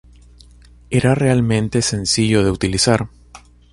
Era realmente sencillo de utilizar.